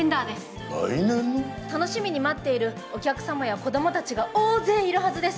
楽しみに待っているお客様や子どもたちが大勢いるはずです。